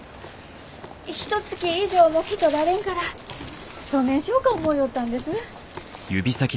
ひとつき以上も来とられんからどねえしようか思よったんです。